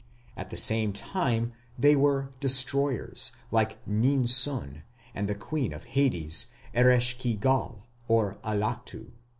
At the same time they were "Destroyers", like Nin sun and the Queen of Hades, Eresh ki gal or Allatu.